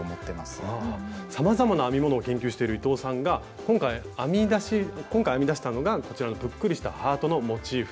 さまざまな編み物を研究している伊藤さんが今回編み出したのがこちらのぷっくりしたハートのモチーフ。